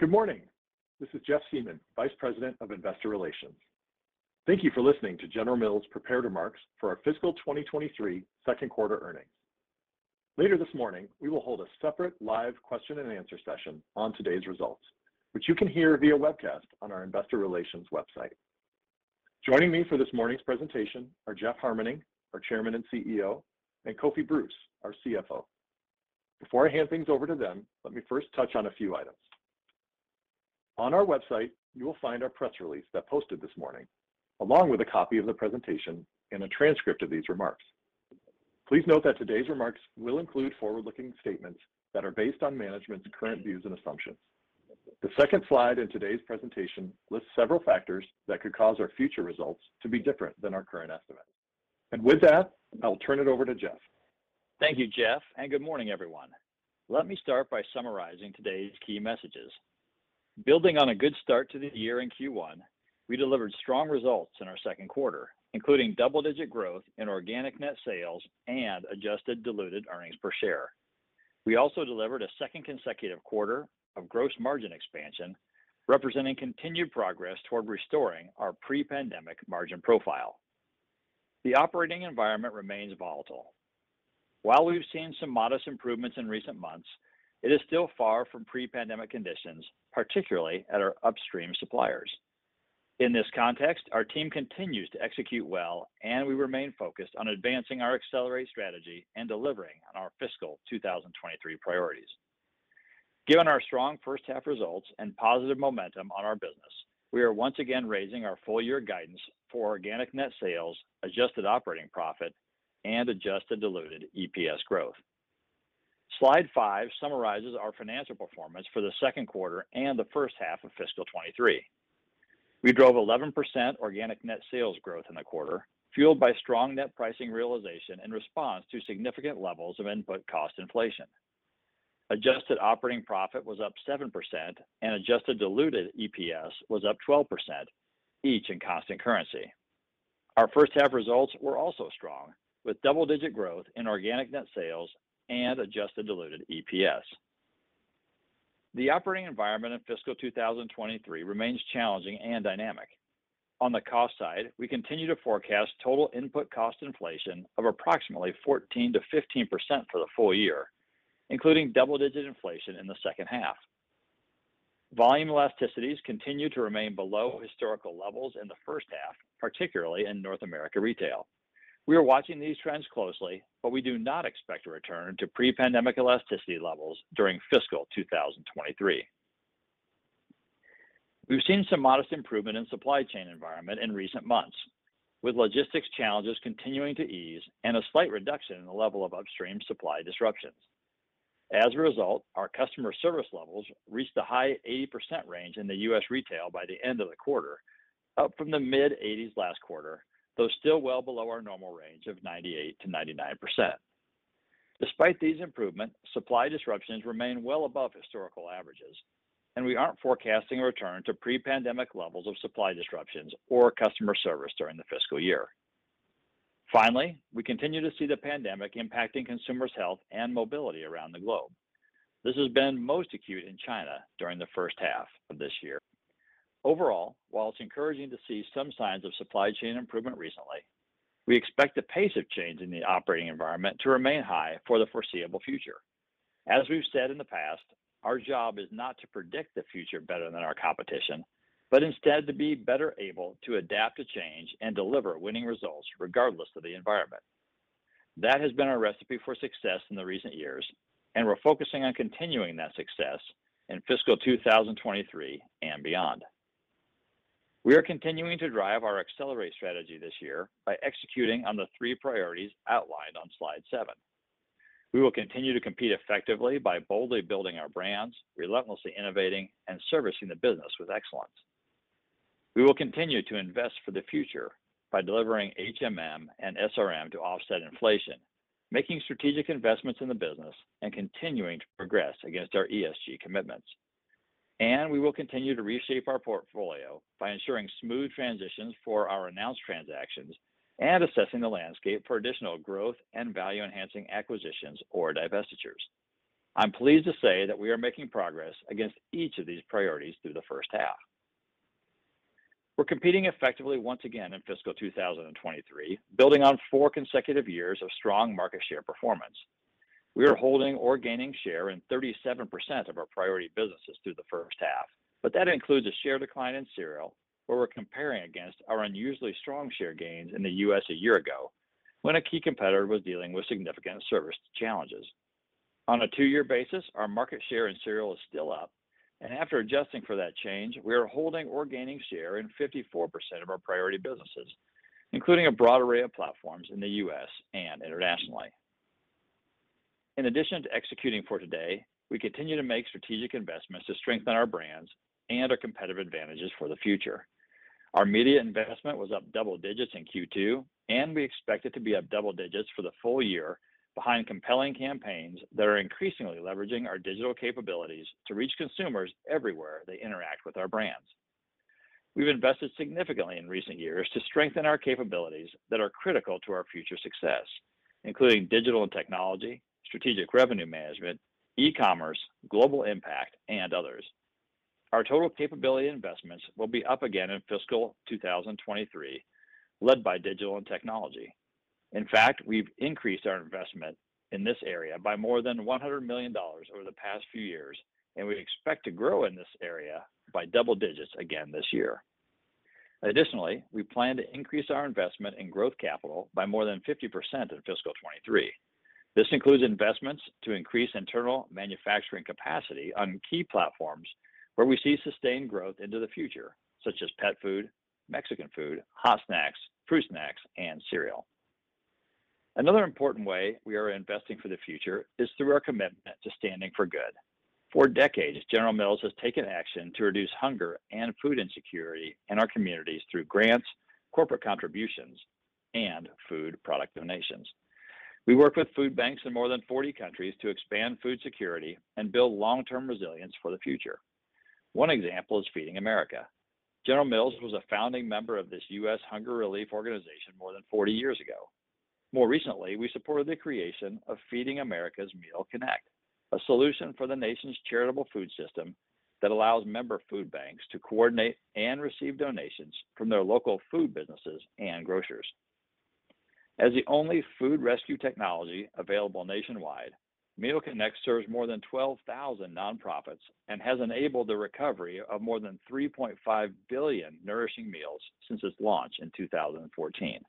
Good morning. This is Jeff Siemon, Vice President of Investor Relations. Thank you for listening to General Mills' prepared remarks for our fiscal 2023 second quarter earnings. Later this morning, we will hold a separate live question and answer session on today's results, which you can hear via webcast on our investor relations website. Joining me for this morning's presentation are Jeff Harmening, our Chairman and CEO, and Kofi Bruce, our CFO. Before I hand things over to them, let me first touch on a few items. On our website, you will find our press release that posted this morning, along with a copy of the presentation and a transcript of these remarks. Please note that today's remarks will include forward-looking statements that are based on management's current views and assumptions. The second slide in today's presentation lists several factors that could cause our future results to be different than our current estimates. With that, I will turn it over to Jeff. Thank you, Jeff. Good morning, everyone. Let me start by summarizing today's key messages. Building on a good start to the year in Q1, we delivered strong results in our second quarter, including double-digit growth in organic net sales and adjusted diluted earnings per share. We also delivered a second consecutive quarter of gross margin expansion, representing continued progress toward restoring our pre-pandemic margin profile. The operating environment remains volatile. While we've seen some modest improvements in recent months, it is still far from pre-pandemic conditions, particularly at our upstream suppliers. In this context, our team continues to execute well. We remain focused on advancing our Accelerate strategy and delivering on our fiscal 2023 priorities. Given our strong first half results and positive momentum on our business, we are once again raising our full year guidance for organic net sales, adjusted operating profit, and adjusted diluted EPS growth. Slide five summarizes our financial performance for the second quarter and the first half of fiscal 2023. We drove 11% organic net sales growth in the quarter, fueled by strong net pricing realization in response to significant levels of input cost inflation. Adjusted operating profit was up 7% and adjusted diluted EPS was up 12%, each in constant currency. Our first half results were also strong, with double-digit growth in organic net sales and adjusted diluted EPS. The operating environment in fiscal 2023 remains challenging and dynamic. On the cost side, we continue to forecast total input cost inflation of approximately 14%-15% for the full year, including double-digit inflation in the second half. Volume elasticities continued to remain below historical levels in the first half, particularly in North America Retail. We are watching these trends closely. We do not expect a return to pre-pandemic elasticity levels during fiscal 2023. We've seen some modest improvement in supply chain environment in recent months, with logistics challenges continuing to ease and a slight reduction in the level of upstream supply disruptions. As a result, our customer service levels reached a high 80% range in the U.S. retail by the end of the quarter, up from the mid-80s last quarter, though still well below our normal range of 98%-99%. Despite these improvements, supply disruptions remain well above historical averages. We aren't forecasting a return to pre-pandemic levels of supply disruptions or customer service during the fiscal year. Finally, we continue to see the pandemic impacting consumers' health and mobility around the globe. This has been most acute in China during the first half of this year. Overall, while it's encouraging to see some signs of supply chain improvement recently, we expect the pace of change in the operating environment to remain high for the foreseeable future. As we've said in the past, our job is not to predict the future better than our competition, but instead to be better able to adapt to change and deliver winning results regardless of the environment. That has been our recipe for success in the recent years, and we're focusing on continuing that success in fiscal 2023 and beyond. We are continuing to drive our Accelerate strategy this year by executing on the three priorities outlined on slide seven. We will continue to compete effectively by boldly building our brands, relentlessly innovating, and servicing the business with excellence. We will continue to invest for the future by delivering HMM and SRM to offset inflation, making strategic investments in the business and continuing to progress against our ESG commitments. We will continue to reshape our portfolio by ensuring smooth transitions for our announced transactions and assessing the landscape for additional growth and value-enhancing acquisitions or divestitures. I'm pleased to say that we are making progress against each of these priorities through the first half. We're competing effectively once again in fiscal 2023, building on four consecutive years of strong market share performance. We are holding or gaining share in 37% of our priority businesses through the first half. That includes a share decline in Cereal, where we're comparing against our unusually strong share gains in the U.S. a year ago when a key competitor was dealing with significant service challenges. On a two-year basis, our market share in Cereal is still up, and after adjusting for that change, we are holding or gaining share in 54% of our priority businesses, including a broad array of platforms in the U.S. and internationally. In addition to executing for today, we continue to make strategic investments to strengthen our brands and our competitive advantages for the future. Our media investment was up double digits in Q2, and we expect it to be up double digits for the full year behind compelling campaigns that are increasingly leveraging our digital capabilities to reach consumers everywhere they interact with our brands. We've invested significantly in recent years to strengthen our capabilities that are critical to our future success, including digital and technology, strategic revenue management, e-commerce, global impact, and others. Our total capability investments will be up again in fiscal 2023, led by digital and technology. In fact, we've increased our investment in this area by more than $100 million over the past few years, and we expect to grow in this area by double digits again this year. Additionally, we plan to increase our investment in growth capital by more than 50% in fiscal 2023. This includes investments to increase internal manufacturing capacity on key platforms where we see sustained growth into the future, such as pet food, Mexican food, hot snacks, fruit snacks, and cereal. Another important way we are investing for the future is through our commitment to standing for good. For decades, General Mills has taken action to reduce hunger and food insecurity in our communities through grants, corporate contributions, and food product donations. We work with food banks in more than 40 countries to expand food security and build long-term resilience for the future. One example is Feeding America. General Mills was a founding member of this U.S. hunger relief organization more than 40 years ago. More recently, we supported the creation of Feeding America's MealConnect, a solution for the nation's charitable food system that allows member food banks to coordinate and receive donations from their local food businesses and grocers. As the only food rescue technology available nationwide, MealConnect serves more than 12,000 nonprofits and has enabled the recovery of more than 3.5 billion nourishing meals since its launch in 2014.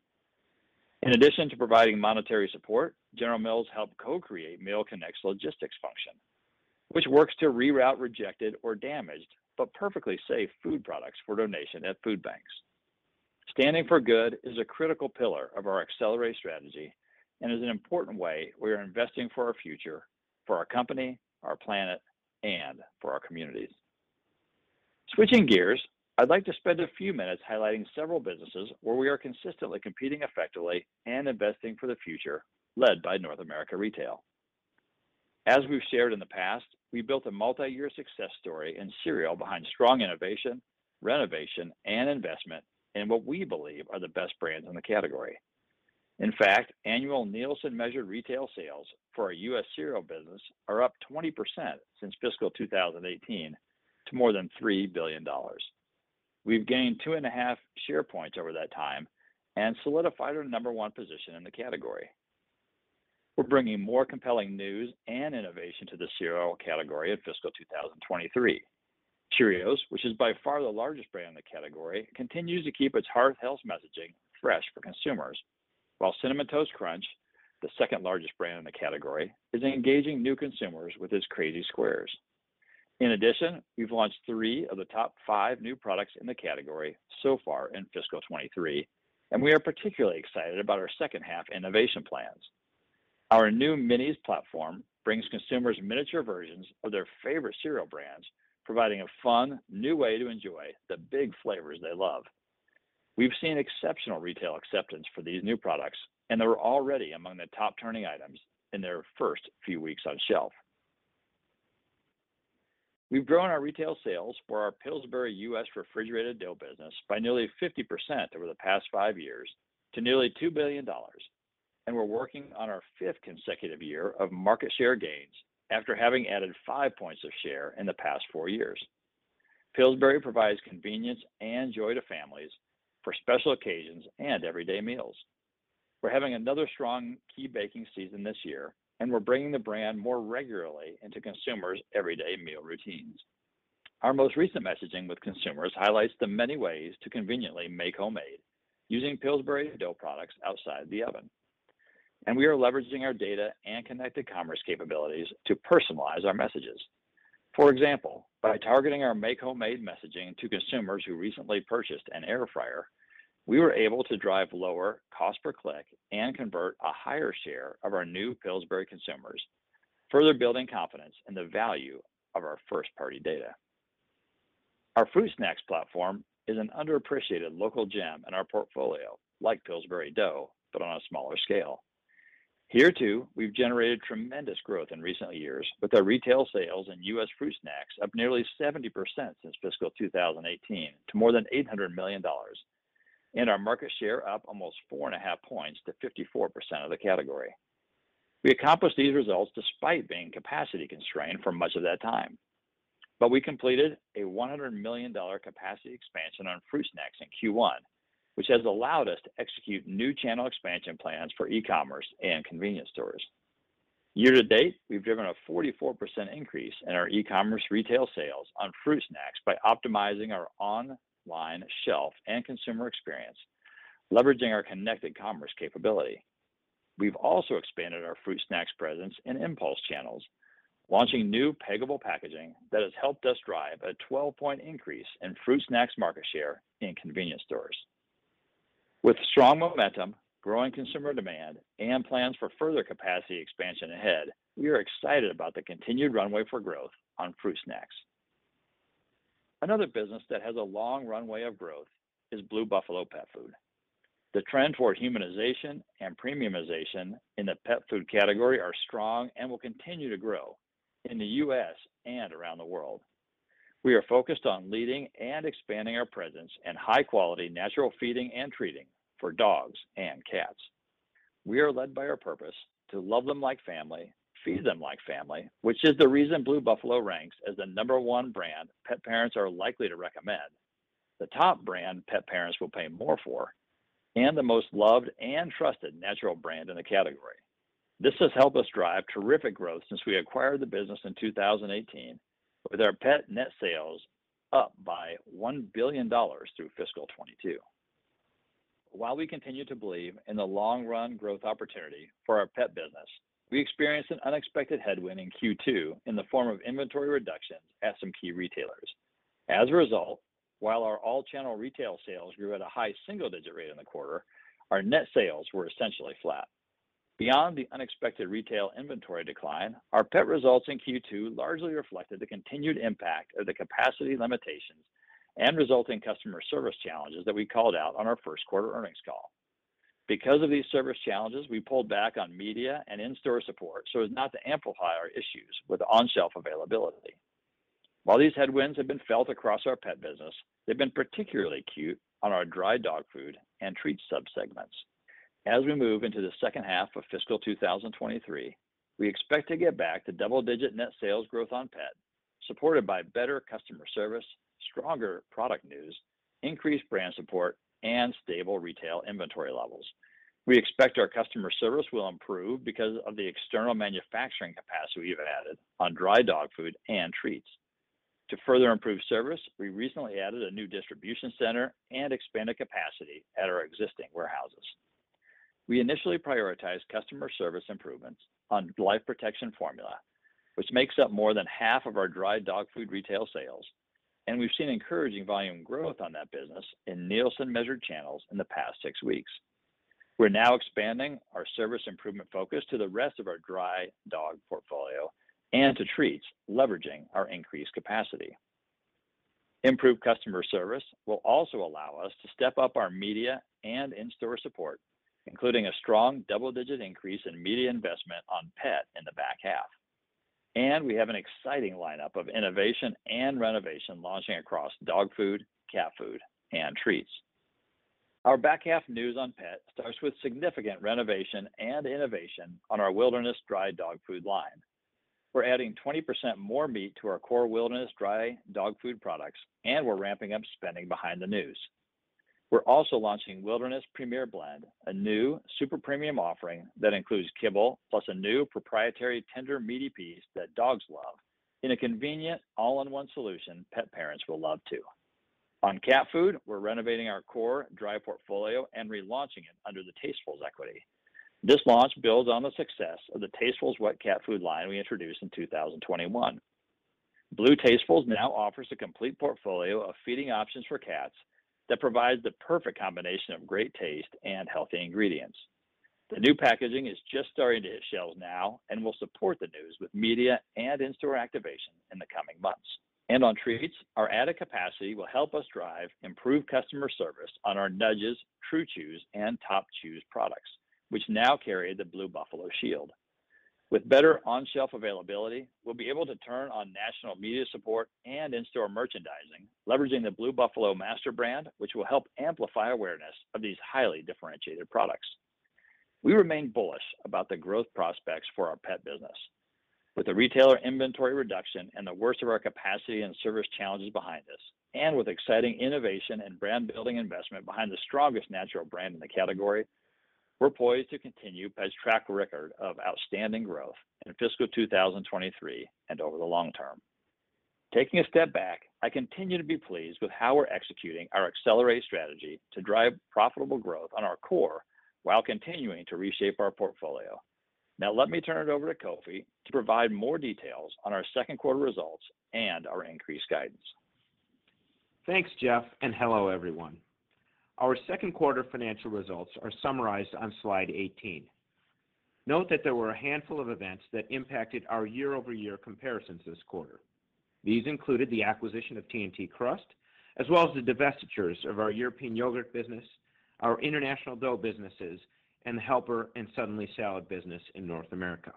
In addition to providing monetary support, General Mills helped co-create MealConnect's logistics function, which works to reroute rejected or damaged but perfectly safe food products for donation at food banks. Standing for good is a critical pillar of our Accelerate strategy and is an important way we are investing for our future, for our company, our planet, and for our communities. Switching gears, I'd like to spend a few minutes highlighting several businesses where we are consistently competing effectively and investing for the future led by North America Retail. As we've shared in the past, we built a multi-year success story in cereal behind strong innovation, renovation, and investment in what we believe are the best brands in the category. In fact, annual Nielsen-measured retail sales for our U.S. cereal business are up 20% since fiscal 2018 to more than $3 billion. We've gained 2.5 share points over that time and solidified our number one position in the category. We're bringing more compelling news and innovation to the cereal category in fiscal 2023. Cheerios, which is by far the largest brand in the category, continues to keep its heart health messaging fresh for consumers. Cinnamon Toast Crunch, the second-largest brand in the category, is engaging new consumers with its Crazy Squares. We've launched three of the top five new products in the category so far in fiscal 23, and we are particularly excited about our second-half innovation plans. Our new Minis platform brings consumers miniature versions of their favorite cereal brands, providing a fun, new way to enjoy the big flavors they love. We've seen exceptional retail acceptance for these new products, and they're already among the top-turning items in their first few weeks on shelf. We've grown our retail sales for our Pillsbury U.S. refrigerated dough business by nearly 50% over the past five years to nearly $2 billion, and we're working on our fifth consecutive year of market share gains after having added five points of share in the past four years. Pillsbury provides convenience and joy to families for special occasions and everyday meals. We're having another strong key baking season this year, and we're bringing the brand more regularly into consumers' everyday meal routines. Our most recent messaging with consumers highlights the many ways to conveniently make homemade using Pillsbury dough products outside the oven, and we are leveraging our data and connected commerce capabilities to personalize our messages. For example, by targeting our make homemade messaging to consumers who recently purchased an air fryer, we were able to drive lower cost per click and convert a higher share of our new Pillsbury consumers, further building confidence in the value of our first-party data. Our fruit snacks platform is an underappreciated local gem in our portfolio, like Pillsbury dough, but on a smaller scale. Here, too, we've generated tremendous growth in recent years with our retail sales and U.S. fruit snacks up nearly 70% since fiscal 2018 to more than $800 million, and our market share up almost 4.5 points to 54% of the category. We accomplished these results despite being capacity constrained for much of that time, but we completed a $100 million capacity expansion on fruit snacks in Q1, which has allowed us to execute new channel expansion plans for e-commerce and convenience stores. Year to date, we've driven a 44% increase in our e-commerce retail sales on fruit snacks by optimizing our online shelf and consumer experience, leveraging our connected commerce capability. We've also expanded our fruit snacks presence in impulse channels, launching new peggable packaging that has helped us drive a 12-point increase in fruit snacks market share in convenience stores. With strong momentum, growing consumer demand, and plans for further capacity expansion ahead, we are excited about the continued runway for growth on fruit snacks. Another business that has a long runway of growth is Blue Buffalo pet food. The trend toward humanization and premiumization in the pet food category are strong and will continue to grow in the U.S. and around the world. We are focused on leading and expanding our presence in high quality natural feeding and treating for dogs and cats. We are led by our purpose to love them like family, feed them like family, which is the reason Blue Buffalo ranks as the number one brand pet parents are likely to recommend, the top brand pet parents will pay more for, and the most loved and trusted natural brand in the category. This has helped us drive terrific growth since we acquired the business in 2018, with our pet net sales up by $1 billion through fiscal 2022. While we continue to believe in the long run growth opportunity for our pet business, we experienced an unexpected headwind in Q2 in the form of inventory reductions at some key retailers. As a result, while our all channel retail sales grew at a high single-digit rate in the quarter, our net sales were essentially flat. Beyond the unexpected retail inventory decline, our pet results in Q2 largely reflected the continued impact of the capacity limitations and resulting customer service challenges that we called out on our first quarter earnings call. Because of these service challenges, we pulled back on media and in-store support so as not to amplify our issues with on-shelf availability. While these headwinds have been felt across our pet business, they've been particularly acute on our dry dog food and treat subsegments. As we move into the second half of fiscal 2023, we expect to get back to double-digit net sales growth on pet, supported by better customer service, stronger product news, increased brand support, and stable retail inventory levels. We expect our customer service will improve because of the external manufacturing capacity we've added on dry dog food and treats. To further improve service, we recently added a new distribution center and expanded capacity at our existing warehouses. We initially prioritized customer service improvements on Life Protection Formula, which makes up more than half of our dry dog food retail sales, and we've seen encouraging volume growth on that business in Nielsen measured channels in the past six weeks. We're now expanding our service improvement focus to the rest of our dry dog portfolio and to treats, leveraging our increased capacity. Improved customer service will also allow us to step up our media and in-store support, including a strong double-digit increase in media investment on pet in the back half. We have an exciting lineup of innovation and renovation launching across dog food, cat food, and treats. Our back half news on pet starts with significant renovation and innovation on our Wilderness dry dog food line. We're adding 20% more meat to our core Wilderness dry dog food products, and we're ramping up spending behind the news. We're also launching Wilderness Premier Blend, a new super premium offering that includes kibble plus a new proprietary tender meaty piece that dogs love in a convenient all-in-one solution pet parents will love too. On cat food, we're renovating our core dry portfolio and relaunching it under the Taste of the Wild equity. This launch builds on the success of the Taste of the Wild wet cat food line we introduced in 2021. Blue Taste of the Wild now offers a complete portfolio of feeding options for cats that provides the perfect combination of great taste and healthy ingredients. The new packaging is just starting to hit shelves now and will support the news with media and in-store activation in the coming months. On treats, our added capacity will help us drive improved customer service on our Nudges, True Chews, and Top Chews products, which now carry the Blue Buffalo shield. With better on-shelf availability, we'll be able to turn on national media support and in-store merchandising, leveraging the Blue Buffalo master brand, which will help amplify awareness of these highly differentiated products. We remain bullish about the growth prospects for our pet business. With the retailer inventory reduction and the worst of our capacity and service challenges behind us, and with exciting innovation and brand building investment behind the strongest natural brand in the category, we're poised to continue Pet's track record of outstanding growth in fiscal 2023 and over the long term. Taking a step back, I continue to be pleased with how we're executing our Accelerate strategy to drive profitable growth on our core while continuing to reshape our portfolio. Let me turn it over to Kofi to provide more details on our second quarter results and our increased guidance. Thanks, Jeff, and hello, everyone. Our second quarter financial results are summarized on slide 18. Note that there were a handful of events that impacted our year-over-year comparisons this quarter. These included the acquisition of TNT Crust, as well as the divestitures of our European yogurt business, our international dough businesses, and the Helper and Suddenly Salad business in North America.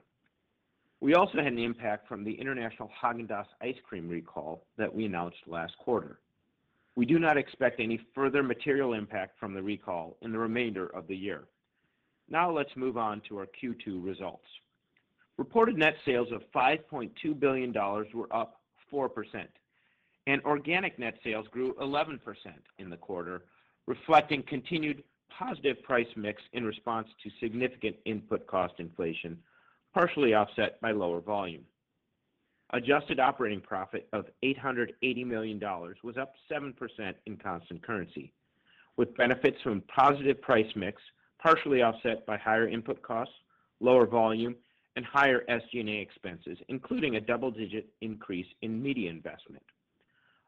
We also had an impact from the international Häagen-Dazs ice cream recall that we announced last quarter. We do not expect any further material impact from the recall in the remainder of the year. Let's move on to our Q2 results. Reported net sales of $5.2 billion were up 4%, and organic net sales grew 11% in the quarter, reflecting continued positive price mix in response to significant input cost inflation, partially offset by lower volume. Adjusted operating profit of $880 million was up 7% in constant currency, with benefits from positive price mix partially offset by higher input costs, lower volume, and higher SG&A expenses, including a double-digit increase in media investment.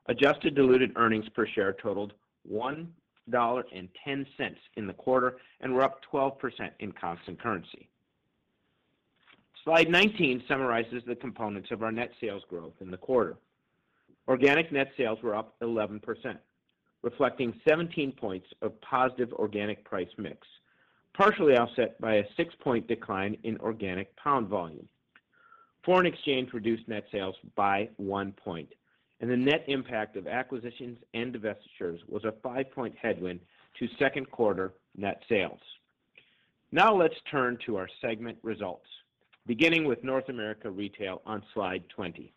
Adjusted diluted earnings per share totaled $1.10 in the quarter and were up 12% in constant currency. Slide 19 summarizes the components of our net sales growth in the quarter. Organic net sales were up 11%, reflecting 17 points of positive organic price mix, partially offset by a 6-point decline in organic pound volume. Foreign exchange reduced net sales by one point, and the net impact of acquisitions and divestitures was a five-point headwind to second quarter net sales. Let's turn to our segment results, beginning with North America Retail on slide 20.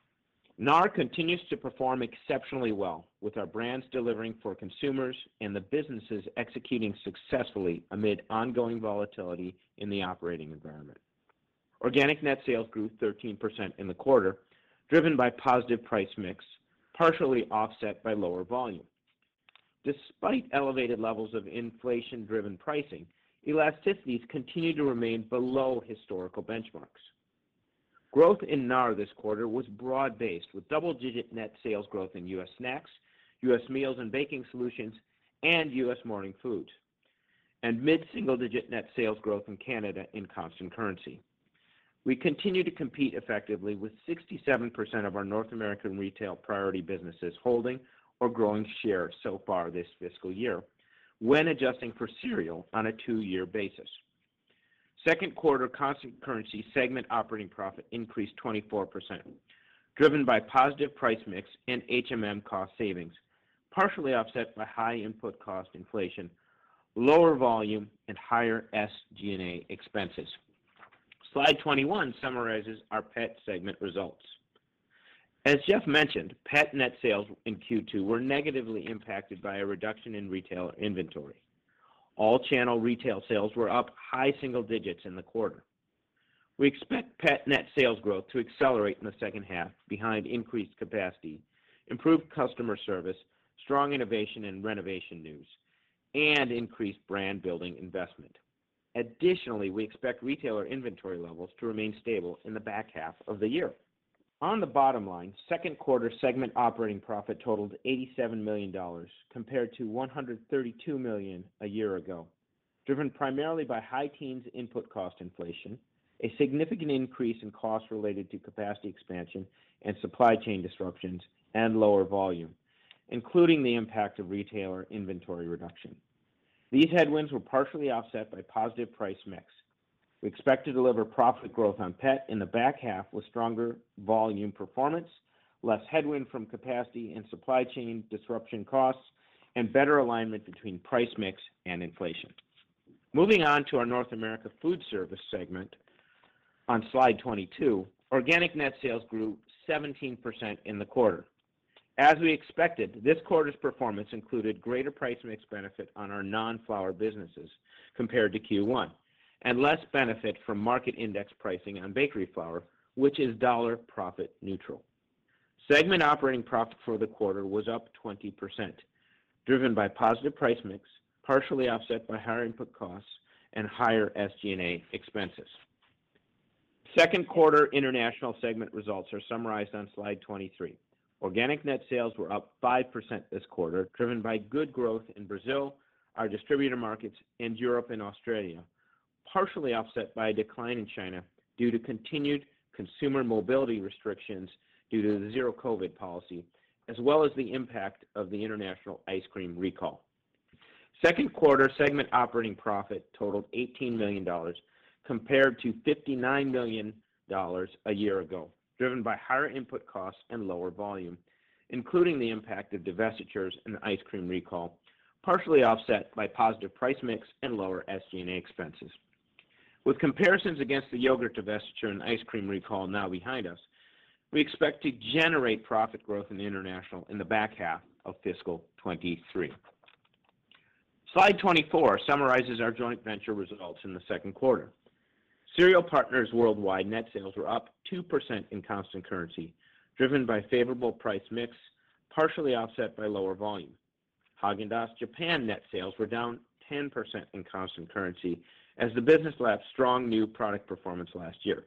NAR continues to perform exceptionally well with our brands delivering for consumers and the businesses executing successfully amid ongoing volatility in the operating environment. Organic net sales grew 13% in the quarter, driven by positive price mix, partially offset by lower volume. Despite elevated levels of inflation-driven pricing, elasticities continue to remain below historical benchmarks. Growth in NAR this quarter was broad-based with double-digit net sales growth in U.S. Snacks, U.S.. Meals & Baking Solutions, and U.S. Morning Foods, and mid-single-digit net sales growth in Canada in constant currency. We continue to compete effectively with 67% of our North American retail priority businesses holding or growing share so far this fiscal year when adjusting for cereal on a two-year basis. Second quarter constant currency segment operating profit increased 24%, driven by positive price mix and HMM cost savings, partially offset by high input cost inflation, lower volume, and higher SG&A expenses. Slide 21 summarizes our pet segment results. As Jeff mentioned, pet net sales in Q2 were negatively impacted by a reduction in retail inventory. All channel retail sales were up high single digits in the quarter. We expect pet net sales growth to accelerate in the second half behind increased capacity, improved customer service, strong innovation and renovation news, and increased brand building investment. Additionally, we expect retailer inventory levels to remain stable in the back half of the year. On the bottom line, second quarter segment operating profit totaled $87 million compared to $132 million a year ago, driven primarily by high teens input cost inflation, a significant increase in costs related to capacity expansion and supply chain disruptions, and lower volume, including the impact of retailer inventory reduction. These headwinds were partially offset by positive price mix. We expect to deliver profit growth on pet in the back half with stronger volume performance, less headwind from capacity and supply chain disruption costs, and better alignment between price mix and inflation. Moving on to our North America Foodservice segment on Slide 22, organic net sales grew 17% in the quarter. As we expected, this quarter's performance included greater price mix benefit on our non-flour businesses compared to Q1 and less benefit from market index pricing on bakery flour, which is dollar profit neutral. Segment operating profit for the quarter was up 20%, driven by positive price mix, partially offset by higher input costs and higher SG&A expenses. Second quarter international segment results are summarized on slide 23. Organic net sales were up 5% this quarter, driven by good growth in Brazil, our distributor markets in Europe and Australia, partially offset by a decline in China due to continued consumer mobility restrictions due to the zero COVID policy, as well as the impact of the international ice cream recall. Second quarter segment operating profit totaled $18 million, compared to $59 million a year ago, driven by higher input costs and lower volume, including the impact of divestitures and ice cream recall, partially offset by positive price mix and lower SG&A expenses. With comparisons against the yogurt divesture and ice cream recall now behind us, we expect to generate profit growth in the international in the back half of fiscal 2023. Slide 24 summarizes our joint venture results in the second quarter. Cereal Partners Worldwide net sales were up 2% in constant currency, driven by favorable price mix, partially offset by lower volume. Häagen-Dazs Japan net sales were down 10% in constant currency as the business left strong new product performance last year.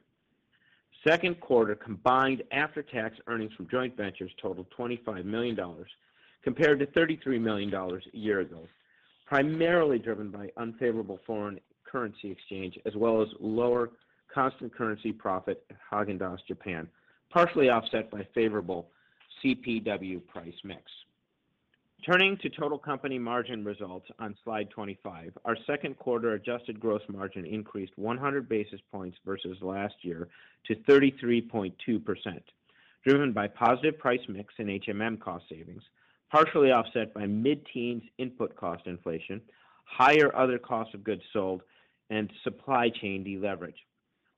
Second quarter combined after-tax earnings from joint ventures totaled $25 million, compared to $33 million a year ago, primarily driven by unfavorable foreign currency exchange, as well as lower constant currency profit at Häagen-Dazs Japan, partially offset by favorable CPW price mix. Turning to total company margin results on slide 25, our second quarter adjusted gross margin increased 100 basis points versus last year to 33.2%, driven by positive price mix and HMM cost savings, partially offset by mid-teens input cost inflation, higher other costs of goods sold, and supply chain deleverage.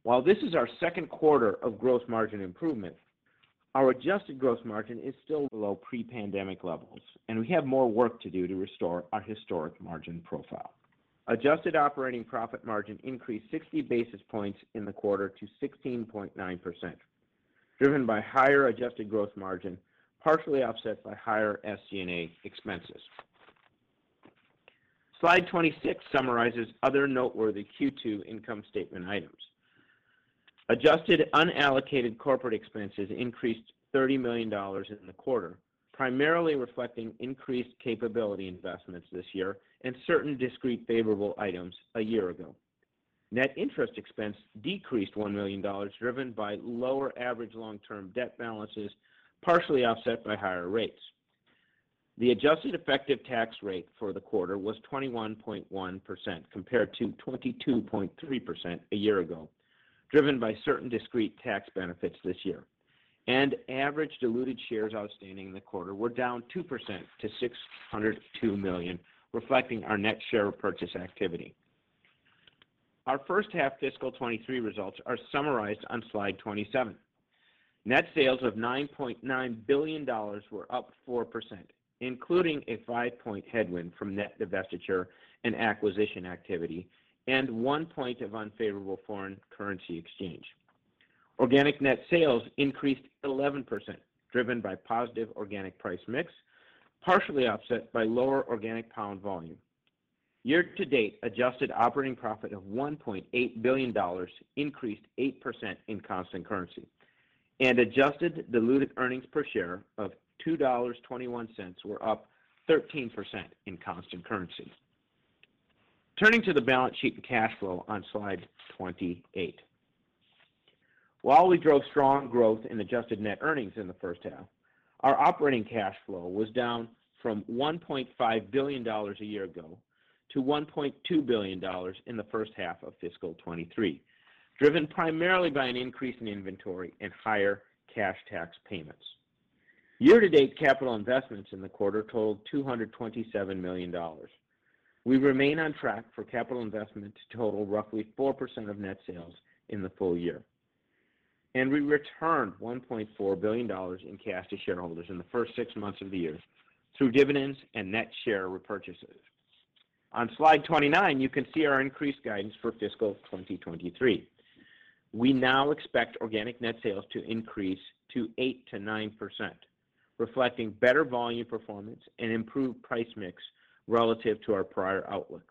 While this is our second quarter of gross margin improvement, our adjusted gross margin is still below pre-pandemic levels, we have more work to do to restore our historic margin profile. Adjusted operating profit margin increased 60 basis points in the quarter to 16.9%, driven by higher adjusted growth margin, partially offset by higher SG&A expenses. Slide 26 summarizes other noteworthy Q2 income statement items. Adjusted unallocated corporate expenses increased $30 million in the quarter, primarily reflecting increased capability investments this year and certain discrete favorable items a year ago. Net interest expense decreased $1 million, driven by lower average long-term debt balances, partially offset by higher rates. The adjusted effective tax rate for the quarter was 21.1% compared to 22.3% a year ago, driven by certain discrete tax benefits this year. Average diluted shares outstanding in the quarter were down 2% to 602 million, reflecting our net share repurchase activity. Our first half fiscal 2023 results are summarized on slide 27. Net sales of $9.9 billion were up 4%, including a five-point headwind from net divestiture and acquisition activity and one point of unfavorable foreign currency exchange. Organic net sales increased 11%, driven by positive organic price mix, partially offset by lower organic pound volume. Year-to-date adjusted operating profit of $1.8 billion increased 8% in constant currency, and adjusted diluted earnings per share of $2.21 were up 13% in constant currency. Turning to the balance sheet and cash flow on slide 28. While we drove strong growth in adjusted net earnings in the first half, our operating cash flow was down from $1.5 billion a year ago to $1.2 billion in the first half of fiscal 2023, driven primarily by an increase in inventory and higher cash tax payments. Year-to-date capital investments in the quarter totaled $227 million. We remain on track for capital investment to total roughly 4% of net sales in the full year. We returned $1.4 billion in cash to shareholders in the first six months of the year through dividends and net share repurchases. On slide 29, you can see our increased guidance for fiscal 2023. We now expect organic net sales to increase to 8%-9%, reflecting better volume performance and improved price mix relative to our prior outlook.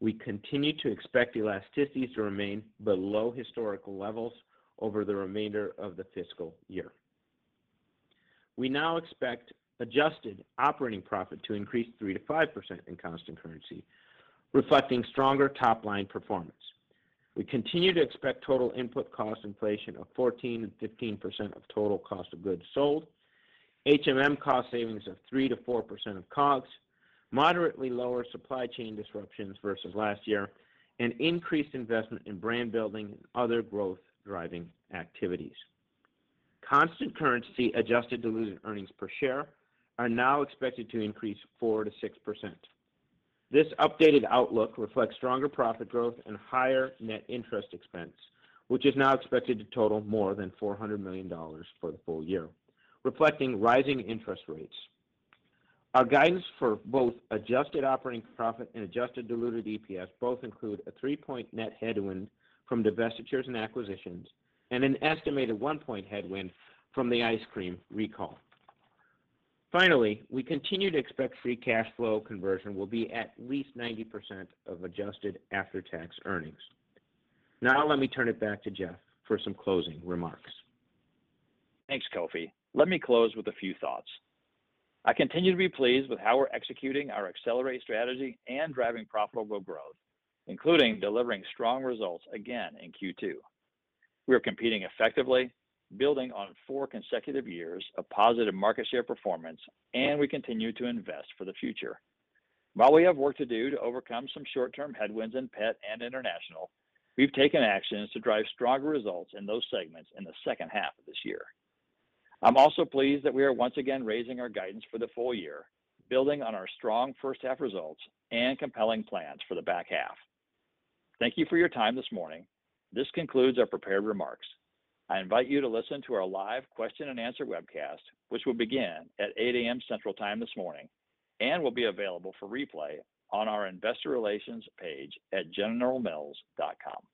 We continue to expect elasticities to remain below historical levels over the remainder of the fiscal year. We now expect adjusted operating profit to increase 3%-5% in constant currency, reflecting stronger top-line performance. We continue to expect total input cost inflation of 14%-15% of total cost of goods sold, HMM cost savings of 3%-4% of COGS, moderately lower supply chain disruptions versus last year, and increased investment in brand building and other growth-driving activities. Constant currency adjusted diluted EPS are now expected to increase 4%-6%. This updated outlook reflects stronger profit growth and higher net interest expense, which is now expected to total more than $400 million for the full year, reflecting rising interest rates. Our guidance for both adjusted operating profit and adjusted diluted EPS both include a three-point net headwind from divestitures and acquisitions and an estimated one-point headwind from the ice cream recall. Finally, we continue to expect free cash flow conversion will be at least 90% of adjusted after-tax earnings. Let me turn it back to Jeff for some closing remarks. Thanks, Kofi. Let me close with a few thoughts. I continue to be pleased with how we're executing our Accelerate strategy and driving profitable growth, including delivering strong results again in Q2. We are competing effectively, building on four consecutive years of positive market share performance, and we continue to invest for the future. While we have work to do to overcome some short-term headwinds in pet and international, we've taken actions to drive stronger results in those segments in the second half of this year. I'm also pleased that we are once again raising our guidance for the full year, building on our strong first half results and compelling plans for the back half. Thank you for your time this morning. This concludes our prepared remarks. I invite you to listen to our live question and answer webcast, which will begin at 8:00 A.M. Central Time this morning and will be available for replay on our investor relations page at generalmills.com.